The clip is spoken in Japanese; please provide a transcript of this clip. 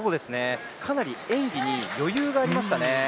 かなり演技に余裕がありましたね。